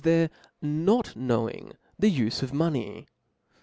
their not knowing the ufe of money.